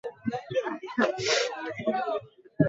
hali ya wasiwasi imeendelea kufukuta nchini haiti wakati ambapo